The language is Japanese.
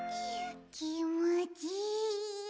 きもちいい。